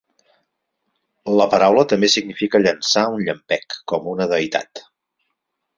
La paraula també significa "llançar un llampec, com una deïtat".